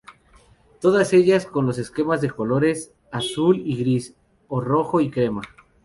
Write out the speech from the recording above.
Todas ellas con los esquemas de colores azul y gris o rojo y crema.